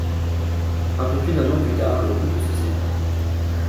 Un peu plus d'un an plus tard, le couple se sépare.